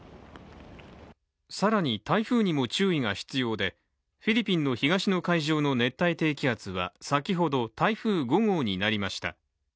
更に台風にも注意が必要でフィリピンの東の海上の熱帯低気圧は先ほど台風５号になりました。